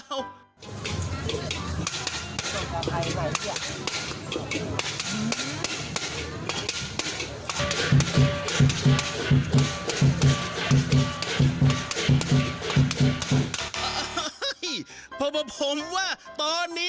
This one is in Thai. เพราะผมว่าตอนนี้อย่าเพิ่งเข้าไปยุ่งกับคุณพี่